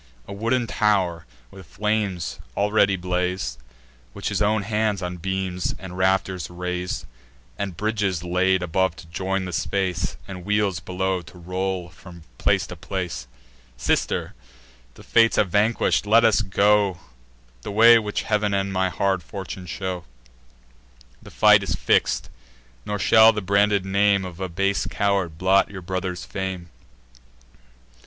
A wooden tow'r with flames already blaz'd, Which his own hands on beams and rafters rais'd; And bridges laid above to join the space, And wheels below to roll from place to place. "Sister, the Fates have vanquish'd: let us go The way which Heav'n and my hard fortune show. The fight is fix'd; nor shall the branded name Of a base coward blot your brother's fame.